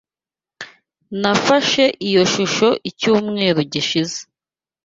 Nafashe iyo shusho icyumweru gishize.